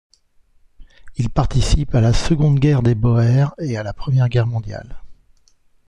Il participe à la seconde Guerre des Boers et à la Première Guerre mondiale.